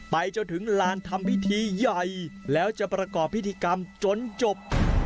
ไปจนถึงลานทำพิธีใหญ่แล้วจะประกอบพิธีกรรมจนจบ